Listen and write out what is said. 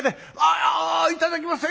ああいただきます。